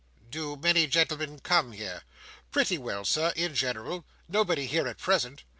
"Do many gentlemen come here? "Pretty well, Sir, in general. Nobody here at present.